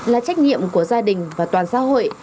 là trách nhiệm của gia đình và toàn xã hội